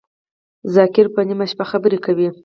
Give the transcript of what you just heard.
ذاکر په نیمه شپه خبری کوی